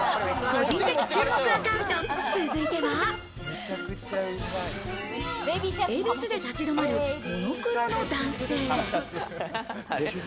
個人的注目アカウント、続いては恵比寿で立ちどまるモノクロの男性。